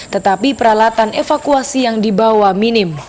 tetapi peralatan evakuasi yang dibawa minim